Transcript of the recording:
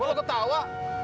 gue lo ketawa